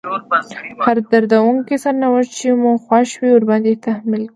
هر دردونکی سرنوشت چې مو خوښ وي ورباندې تحميل کړئ.